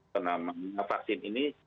penamanya vaksin ini